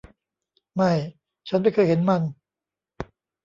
ไม่ฉันไม่เคยเห็นมัน